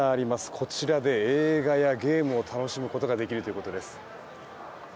こちらで映画やゲームを楽しむことができるということです。